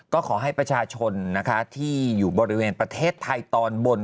ก็ขอให้ประชาชนนะคะที่อยู่บริเวณประเทศไทยตอนบน